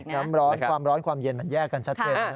น้ำร้อนความร้อนความเย็นมันแยกกันชัดเจน